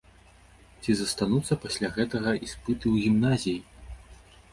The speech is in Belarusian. Ці застануцца пасля гэтага іспыты ў гімназіі?